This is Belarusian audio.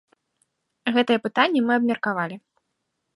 Гэтае пытанне мы абмеркавалі.